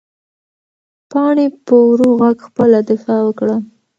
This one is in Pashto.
پاڼې په ورو غږ خپله دفاع وکړه.